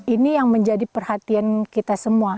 ini yang menjadi perhatian kita semua